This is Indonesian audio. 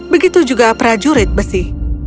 begitu juga prajurit besi